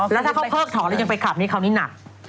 แล้วถ้าเขาเพิกถอนแล้วยังไปขับนี้คราวนี้หนัก